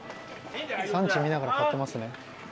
産地を見ながら買っていますね。